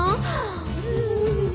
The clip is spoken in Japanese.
うん。